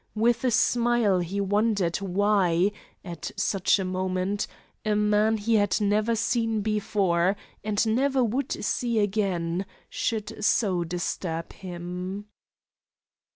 With a smile he wondered why, at such a moment, a man he had never seen before, and never would see again, should so disturb him.